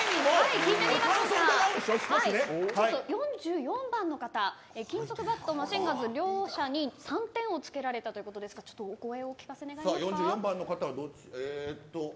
４４番の方金属バット、マシンガンズ両者に３点をつけられたということですがちょっとお声をお聞かせ願えますか。